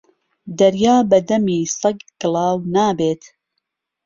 دەریا بە دەمی سەگ گڵاو نابێت